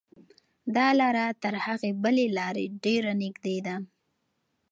دا لاره تر هغې بلې لارې ډېره نږدې ده.